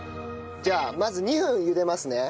じゃあまず２分茹でますね。